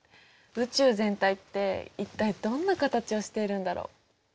宇宙全体って一体どんな形をしているんだろう。